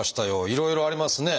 いろいろありますね。